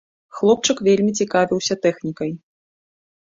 Хлопчык вельмі цікавіўся тэхнікай.